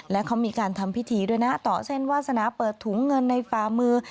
และเขามีการทำพิธีด้วยนะต่อเส้นวาสนาเปิดถุงเงินในฝ่ามือ